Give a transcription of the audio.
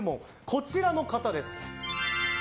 こちらの方です。